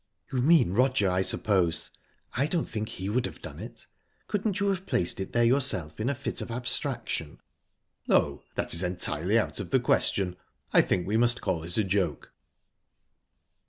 "You mean Roger, I suppose? I don't think he would have done it. Couldn't you have placed it there yourself in a fit of abstraction?" "No, that is entirely out of the question. I think we must call it a joke."